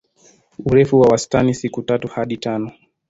Urefu wa wastani siku tatu hadi tano.